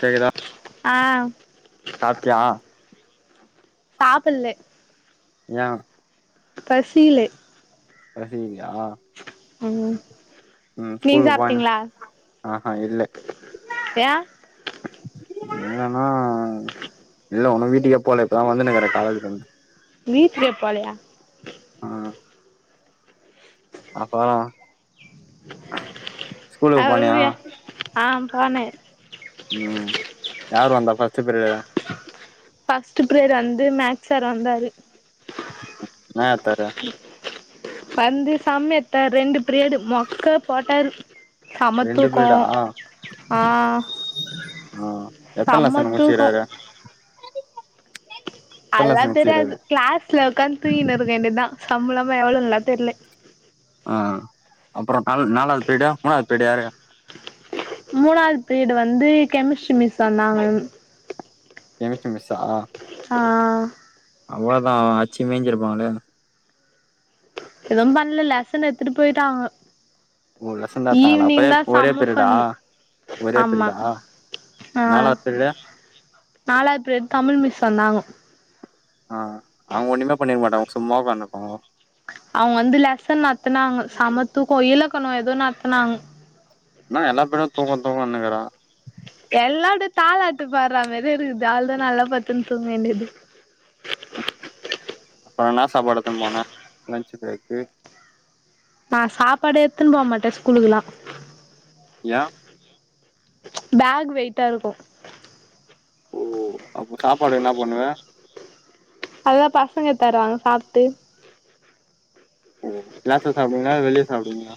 கேக்குதா ஆ சாப்ட்டியா சாப்பிட்லே யா பசிலே பசிலயா ம் உ நீங்க ஸ்கூலுக்கு போய்னு சாப்ட்டீங்களா ஆஹா இல்லே ஏ என்னனா இல்ல ஒன்னு வீட்டுக்கே போல இப்பதா வந்துனுக்குரே காலேஜில இருந்து வீட்லே போலயா ஆப்பா ஸ்கூலுக்கு போனியா அவரு ஆ போனே உ யார் வந்தா ஃபஸ்ட்டு பிர்டு ஃபஸ்ட்டு பிர்டு வந்து மேக்ஸ் சார் வந்தாரு நா தர வந்து சம் எத்தார் ரெண்டு பிரியடு மொக்க போட்டாரு ரெண்டு சமத்தூக்கோ பீரியடா ஆ ஆ எத்தன் செம்ம லெசன் தூக்கோ முச்சிக்ராரு லெசன் அல்லாந் தெரியாது முச்சிக்கிறாரு க்ளாஸ்ல ஒக்காந்து தூங்கினுருக்க வேண்டிதா சம்ளமா எவ்வளோன்லா தெரிலே அ அப்புறோ நால் நாலாது பிரிடா மூணாது பிரிடு யாரு மூணாவது பிரிடு வந்து கெமிஸ்ட்ரி மிஸ் வந்தாங்க கெமிஸ்ட்ரி மிஸ்ஸா ஆ அவ்ளதா அச்சி மேஞ்சிருப்பாங்களே எது பண்ல லெசன் எத்துட்டு பேயிட்டாங்க ஓ லெசன்தா எத்தாங்களா அப்ப எப் ஒரே ஒரே செம்ம பிரிடா ஃபன்னு ஒரே ஆமா பிரிடா நாலாது பிரிடு நாலாது பிரிடு தமிழ் மிஸ் வந்தாங்கோ அ அவுங்க ஒண்ணுமே பண்ணிருக்க மாட்டங்க அவுங்க சும்மா ஒக்காந்துருப்பாங்கோ அவுங்க வந்து லெசன் நத்துனாங்க செமத்தூக்கோ இலக்கணம் எதோ நத்துனாங் இன்னா எல்லா பிரிடு தூக்கோ தூக்கன்னுக்குற எல்லா அப்டியே தாலாட்டு பாட்ற மாரியேருக்குது அவ்ளதா நல்லா படுத்துன் தூங்க வேண்டியது அப்புற இன்னா சாப்பாடு எத்துன் போன லஞ்சு ப்ரேக்கு நா சாப்பாடே எத்துன் போமாட்டே ஸ்கூலுக்குலா யா பேக் வெயிட்டாருக்கு ஓ அப்ப சாப்பாடு என்னா பண்ணுவ அதலா பசங்க தராங்க சாப்ட்டு ஒ க்ளாஸ்ல சாப்புடுவீங்களா வெளிய சாப்புடுவீங்களா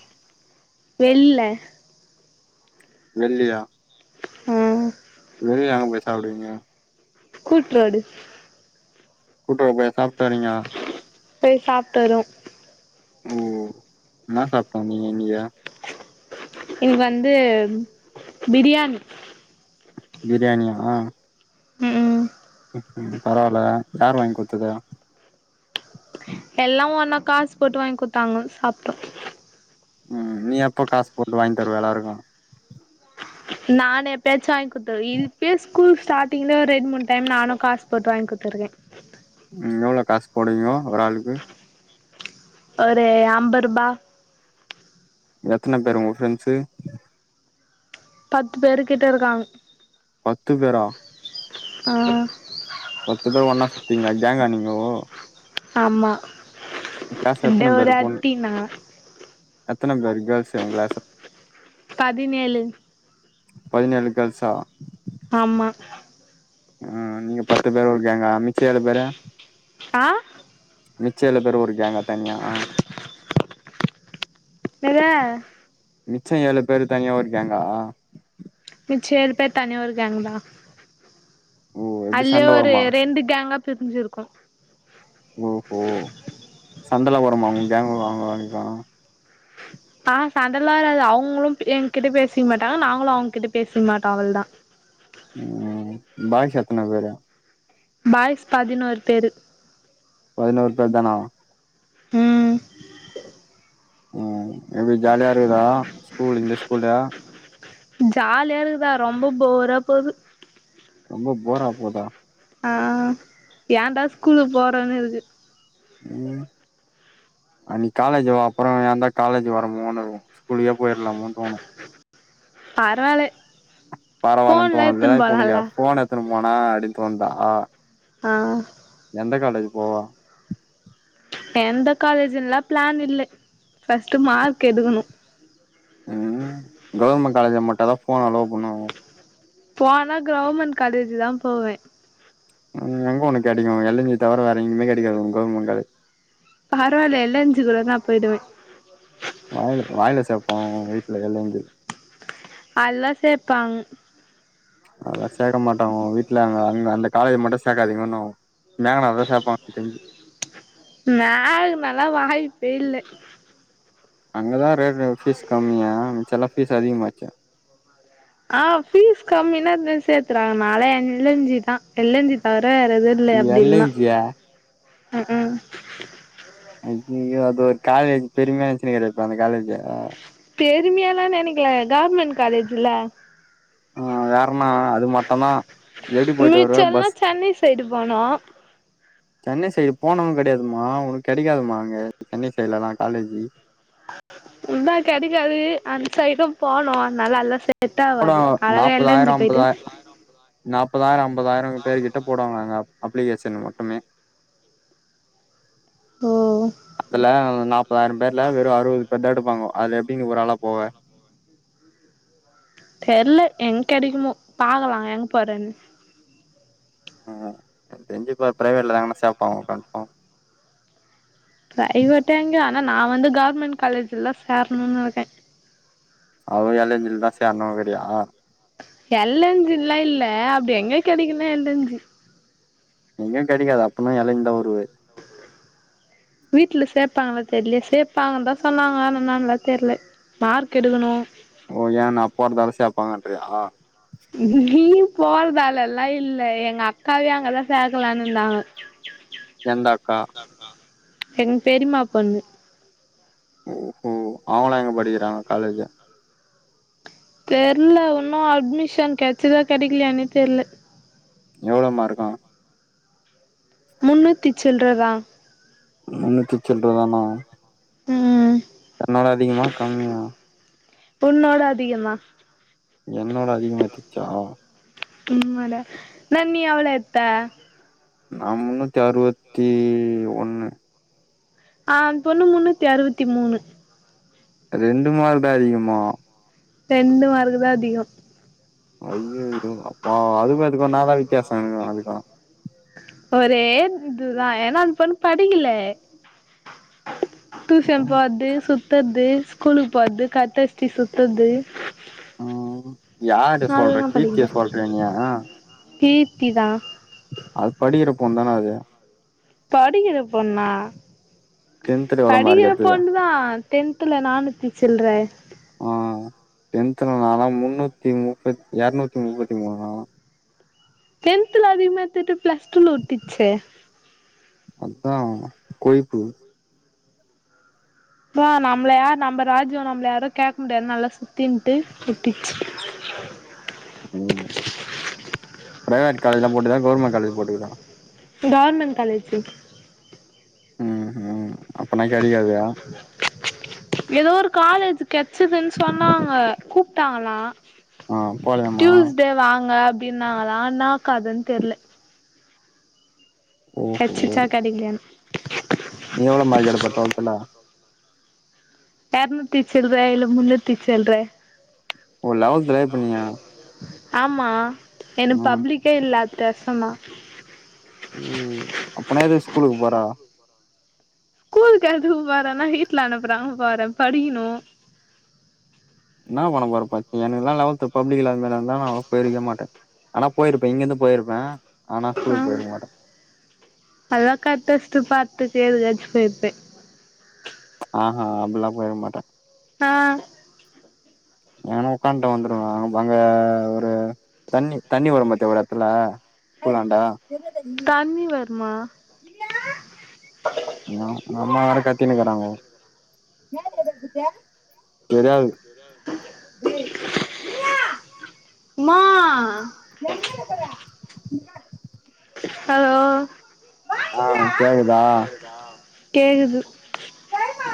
வெள்ல வெள்லயா ம் வெளிய எங்க போய் சாப்புடுவீங்க கூட்ரோடு கூட்ரோடா போய் சாப்ட்டு வரீங்க பேய் சாப்ட்டு வருவோ ஓ என்னா சாப்ட்டு வந்தீங்க இன்னகி இன்க்கி வந்து பிரியாணி பிரியாணியா ம் ம் ம் பரவால யார் வாங்கி குத்தது எல்லா ஒன்னா காஸ் போட்டு வாங்கி குத்தாங்கோ சாப்ட்டோம் ம் நீ எப்போ காஸ் போட்டு வாங்கி தருவ எல்லாருக்கும் நானூ எப்பயாச்சு வாங்கி குத்தருவே இப்பயே ஸ்கூல் ஸ்டாட் டிங்ள ஒரு ரெண்ட் மூண் டைம் நானு காஸ் போட்டு வாங்கி குத்துருக்கேன் ம் எவ்ளோ காஸ் போடுவீங்கோ ஒராளுக்கு ஒரு அம்பருபா எத்தன பேரு ஒங்க ஃப்ரெண்ட்ஸு பத்து பேருகிட்ட இருக்காங் பத்து பேரா ஆ பத்து பேர் ஒன்னா சுத்தீங்களா கேங்கா நீங்கோ ஆமா உங்க கிளாஸ்ல இந்த எத்தன ஒரு பேரு பொண் ராத்தினா எத்தன பேர் கேள்ஸ் உங்க கிளாஸ்ல பதினேழு பதினேழு கேள்சா ஆமா ஆ நீங்க பத்து பேர் ஒரு கேங்கா மிச்ச ஏழு பேரு ஆ மிச்ச ஏழு பேரு ஒரு கேங்கா தனியா என்னது மிச்ச ஏழு பேரு தனியா ஒரு கேங்கா மிச்ச ஏழு பேரு தனி ஒரு கேங் தா ஓ எப்டி அதுலே சண்ட ஒரு வருமா ரெண்டு கேங்கா பிரிஞ்சுயிருக்கோ ஓ ஹோ சண்ட எல்லா வருமா உங்க கேங்கு அவங்க கேங்கு ஆ சண்டல வராது அவுங்களு என்கிட்ட பேசிக்க மாட்டாங்க நாங்களு அவுங்க கிட்ட பேசிக்க மாட்டோம் அவளதா ம் பாய்ஸ் எத்தன பேரு பாய்ஸ் பதினோரு பேரு பதினோறு பேரு தானா ம் ம் எப்டி ஜாலியா இருக்குதா ஸ்கூல் இந்த ஸ்கூல்லு ஜாலியா இருக்குதா ரொம்ப போரா போகுது ரொம்ப போரா ஆ போதா ஆ ஏன்டா ஸ்கூல்லு போறோன்னு இருக்கு அன்னைக் காலேஜூவோ அப்பறோ ஏந்தா காலேஜூ வரமோனுருகு ஸ்கூலுகே போயிர்லாமோன் தோணு பரவாலே பரவாலன் தோணுதுல்லே இப்ப உனுகுயே ஃபோன் எத்துனு போனா அப்டின் தோண்தா ஆ எந்த காலேஜ் போவா எந்த காலேஜூன்லா பிளான் இல்லே ஃபஸ்ட்டு மார்க் எடுகுணு ம் கவுர்மெண்ட் காலேஜூல மட்டுதா ஃபோன் அலோவ் பண்ணுவாங்க போனா கிரவுமெண்ட் காலேஜூதாம் போவே ம் எங்க ஒனக் கெடைகு எல்லஞ்சி தவிர வேற எங்கியுமே கெடைகாது ஒங் கவுர்மெண்ட் காலே பரவால்ல எல்லஞ்சி கூடனாப் போயிடுவே வாயில வாயில சேப்போ ஓ வீட்ல எலேந்து அல்லா சேப்பாங் அதலா சேக்க மாட்டோங் ஓ வீட்ல அங்க அந்த அந்த காலேஜ் மட்டு சேக்காதீங்கோன்னுவோ மேகனாதா சேப்பா தெஞ்சு மேகனாலா வாயிப்பே இல்ல அங்கதா ரேட் ஃபீஸ் கம்மியா மிச்சல்லா ஃபீஸ் அதிகமாச்சே ஆ ஃபீஸ் கம்மினா இந்த சேத்தறாங்க நாலா எல்லஞ்சிதா எல்லஞ்சி தவிர வேறெதுன் இல்ல எல் அப்டில்னா என் ஜியா ம் ம் ஐயய்யோ அது ஒரு காலேஜ் பெருமையா நென்ச்சினுகுற இப்ப அந்த காலேஜ பெருமியாலா நெனகில கவுர்மெண்ட் காலேஜ் இல்ல ம் வேறென்னா அது மட்டுந்தா மிச்செல்லா சென்னை சைடு போனோ சென்னை சைடு போனவு கெடையாதுமா உங்குளுக் கெடைக்காதுமா அங்க சென்னை சைட்லெல்லா காலேஜி உத்தா கெடைக்காது அந்சைடும் போனோ அத் நல்லால செ போட செட்டாவாது அழகா நாப்பதாயிரோ எல்லஞ்சி போயிட்டு அம்பதா நாப்பதாயிரோ ஐம்பதாயிரோ பேரு கிட்டப் போடுவாங்க அங்க அப்ளிகேஷன் மட்டுமே ஓ அதுல நாப்பதாயிரோம் பேர்ல வெறு அறுவது பேர்தா எடுப்பாங்கோ அதுல எப்டி நீ ஒரு ஆளாப் போவே தெர்ல எங்கெடைகுமோ பாகலா எங்க போறேன்னு ம் என் தெஞ்சு இப்ப ப்ரைவேட்லதாங்னா சேப்பாவு கன்பார்ம் பிரைவேட்டோ எங்யோ ஆனா நா வந்து கவுர்மெண்ட் காலேஜில்தா சேர்னுன் இருகே அவுக காலேஜில்தா சேர்னுகுறியா எல்லஞ்சுல்லா இல்ல அப்டி எங்க கெடைகுனே எல்லஞ்சி எங்யு கெடைகாது அப்புன்னா எல்லஞ்சிதா வருவே வீட்ல சேப்பாங்களாத் தெர்லியே சேப்பாகன்தா சொன்னாங்க ஆனா என்னான்லாத் தெர்லே மார்க் எடுகுணு ஓ ஏ நாப் போறதால சேப்பாகன்றியா நீப் போறதாலல்லா இல்ல எங்க அக்காவயு அங்கதா சேக்கலானுந்தாங்க எந்த அக்கா எங் பெரிமா பொண்ணு ஓ ஹோ அவங்களா எங்க படிகிறாங்க காலேஜு தெர்ல உன்னு அட்மிஷன் கெட்ச்சதா கெடிக்லியானேத் தெர்ல எவ்ளோ மா இருக்கு முன்னூத்தி சில்றதா முன்னூத்தி சில்றதானா ம் தன்னால அதிகமா கம்மியா உன்னோட அதிகமா என்னோட அதிகமா வெச்ரிக்யா ம்மாடா அ நீ எவ்ளோ எடுத்த நா முன்னூத்தி அறுவத்தி ஒன்னு ஆ அந் பொண்ணு முன்னூத்தி அறுவத்தி மூணு ரெண்டு மார்க்தா அதிகமா ரெண்டு மார்க்குதா அதிகோ அய்யய்யோ அப்ப அதுக்கு அதுக்கு என்னாதா வித்தியாசோ அதிகோ ஒரே இதுதா ஏனா அந்த பொண்ணு படிக்கல டியூஷன் போவாது சுத்தர்து ஸ்கூலுக்கு போவாது கட்டச்சு சுத்தர்து யார சொல்ற அதெல்லா கீர்த்திய படிக்கல சொல்றீன்யா கீர்த்திதா அது படிக்கிறப்பொண்தான அது படிக்கிற பொண்ணா டென்த்ல எவ்ளோ மார்க் படிக்கிற எடுத்தது பொண்ணுதா டென்த்துல நானூத்தி சில்ற ஆ டென்த்ல நால்லா முன்னூத்தி முப்பத் எரநூத்தி முப்பத்தி மூனா டென்த்ல அதிகமா எடுத்துட்டு பிளஸ் டூல ஊத்திட்ச்சே அதான் கொய்த்து இப்ப நம்மள யார் நம்ம ராஜ்யோ நம்மள யாரு கேக்க முடியாதுன்னு நல்லா சுத்தின்ட்டு புட்டிச்சு ம் பிரைவேட் காலேஜ்ல போட்டுதா கவுர்மெண்ட் காலேஜ்ல போட்டுக்குதா கவர்மெண்ட் காலேஜு ம் ஹும் அப்பனா கெடைக்காதா எதோ ஒரு காலேஜ கெச்சதுன்னு சொன்னாங்க கூப்ட்டாங்களா ஆ போலாமா டியூஸ்டே வாங்க அப்டி நாங்கலா என்னா கதன்னு தெர்ல ஓஹோ கெச்சிச்சா கெடைக்கலயானு நீ எவ்ளோ மார்க் எடுப்ப டுவெல்த்துல எரநூத்தி சீல்ற இல்ல முன்னூத்தி சில்ற ஓ லெவல்த்ல இப்ப நீ ஆமா எனக்கு ம் பப்ளிக்கே இல்ல அடுத்த வர்ஷந்தா ஓ அப்பனா எதுக்கு ஸ்கூலுக்கு போற கூலுக்கு அதுவும் போறன்னா வீட்ல அனுப்பறாங்க போறன் படிக்கணு என்னா பண்ண போற படிச்சி எனக்கு எல்லா லெவத் பப்ளிக்ல இல்லாதனாலதா நா போயிருக்கவே மாட்ட ஆனா போயிருப்பன் இங்கிருந்து போயிருப்பன் ஆனா ஆ ஸ்கூலுக்கு போயிருக்க மாட்ட அதா கட் அடிச்சிட்டு பாத்துக்கு ஏதாச்சு போயிருப்பன் ஆஹா அப்பிடியெல்லா போயிருக்கமாட்ட அ வேணா உக்கான்ட்டு வந்துருவன் அங்க ஒரு தண்ணி தண்ணிவரும் பத்தியா ஒரு எடத்துல ஸ்கூலாண்டா தண்ணி வறுமா எங்க எங்க அம்மா வேற கத்தின்னு இருக்கறாங்கோ தெரியாது மா ஹலோ ஆ கேக்குதா கேக்குது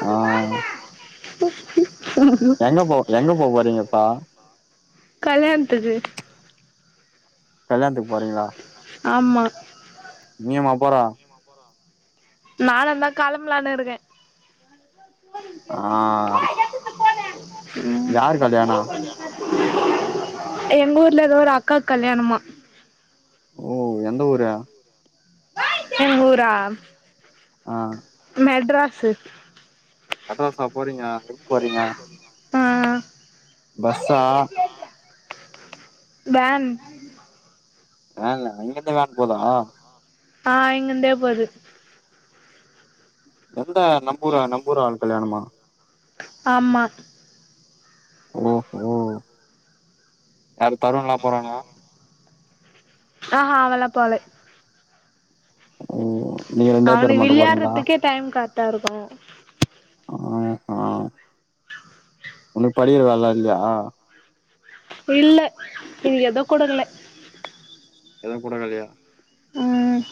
ஆ எங்க போ எங்க போ போறீங்க இப்ப கல்யாணத்துக்கு கல்யாணத்துக்கு போறீங்களா ஆமா நீயுமா போற நானுந்தா களம்பலான்னு இருக்கே ஆ ம் யாரு கல்யாணோ எங்க ஊர்ல ஏதோ ஒரு அக்காக் கல்யாணமா ஓ எந்த ஊரு எங்க ஊரா ஆ மெட்ராஸ் மெட்ராஸா போறீங்க எப்ப போறீங்க ஆ பஸ்ஸா வேன் வேன்ல இங்கேந்தே வேன் போதா ஆ இங்கந்தே போது எந்த நம்ப ஊரா நம்ப ஊரு ஆள் கல்யாணமா ஆமா ஓஹோ யாரு தருண்லா போறானா ஆஹ அவன்லா போல ஓ நீங்க ரெண்டே பேரு அவனுக்கு மட்டு போறீங்ளா விளையாடுறதுக்கே டைம் கரெக்டா இருக்கு ஆஹ ஒனக்கு படிக்கிற வேலலா இல்லயா இல்ல இன்னிக்கு ஏது குடுக்குல எதுவு குடுக்கலையா ம்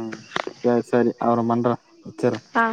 ம் சேரி சேரி அப்பற பண்ற வச்சிட்ற ஆ